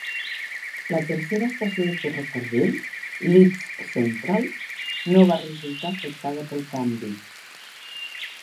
La tercera estació de ferrocarril, Leeds Central, no va resultar afectada pel canvi.